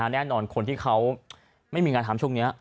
คนที่เขาไม่มีงานทำช่วงนี้